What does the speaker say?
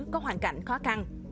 có hoàn cảnh khó khăn